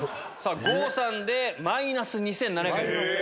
郷さんでマイナス２７００円です。